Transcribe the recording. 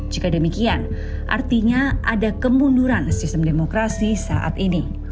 jika demikian artinya ada kemunduran sistem demokrasi saat ini